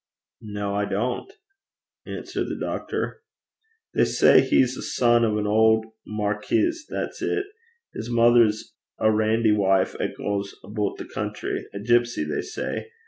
'No, I don't,' answered the doctor. 'They say he's a son o' the auld Markis's, that's it. His mither's a randy wife 'at gangs aboot the country a gipsy they say.